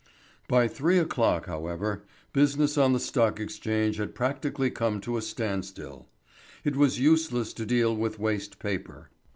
By three o'clock, however, business on the Stock Exchange had practically come to a standstill. It was useless to deal with waste paper.